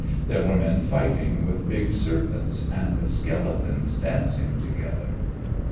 There were men fighting with big serpents, and skeletons dancing together.